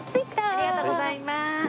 ありがとうございます。